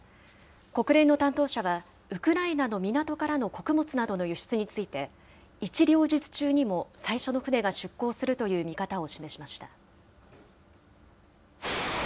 国連の担当者は、ウクライナの港からの穀物などの輸出について、一両日中にも最初の船が出港するという見方を示しました。